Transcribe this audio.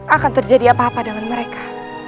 akan terjadi apa apa dalam mereka